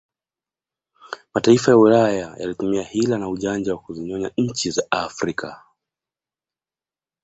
Mataifa ya ulaya yalitumia Hila na ujanja wa kuzinyonya nchi za Afrika